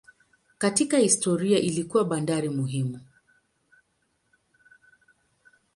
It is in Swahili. Katika historia ilikuwa bandari muhimu.